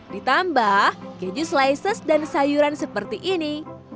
ditambah keju slices dan sayuran seperti ini